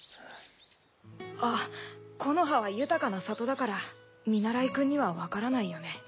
あっ木ノ葉は豊かな里だから見習いくんにはわからないよね。